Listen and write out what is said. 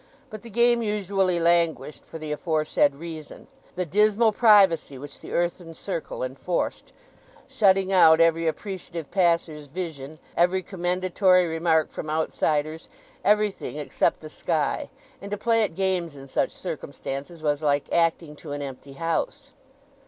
But the game usually languished for the aforesaid reason—the dismal privacy which the earthen circle enforced, shutting out every appreciative passer's vision, every commendatory remark from outsiders—everything, except the sky; and to play at games in such circumstances was like acting to an empty house.